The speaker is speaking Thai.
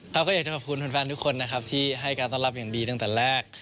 เราก็อยากจะขอบคุณแฟนทุกคนนะครับที่ให้การต้อนรับอย่างดีตั้งแต่แรก